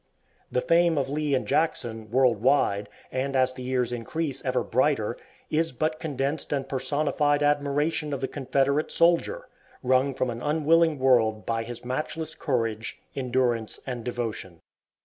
The fame of Lee and Jackson, world wide, and as the years increase ever brighter, is but condensed and personified admiration of the Confederate soldier, wrung from an unwilling world by his matchless courage, endurance, and devotion.